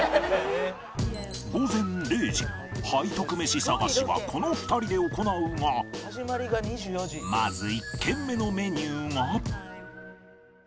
午前０時背徳メシ探しはこの２人で行うがまず１軒目のメニューが